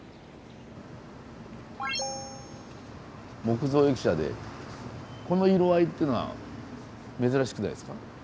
木造駅舎でこの色合いっていうのは珍しくないですか。